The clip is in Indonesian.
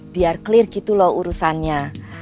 biar clear gitu loh urusannya